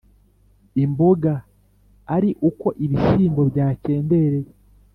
imboga ari uko ibishyimbo byakendereye.